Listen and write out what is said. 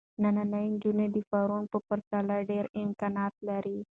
نننۍ نجونې د پرون په پرتله ډېر امکانات لري.